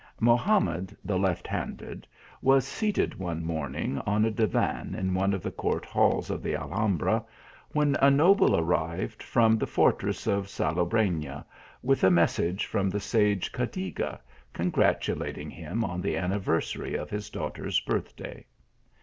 Mohamed the left handed was seated one morn ing on a divan in one of the court halls of the Al rrnnbra, when a noble arrived from the fortress of Salobrefia, with a message from the sage Cadiga, congratulating him on the anniversary of his daughters birth day.